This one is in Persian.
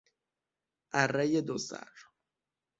ارهی دوسر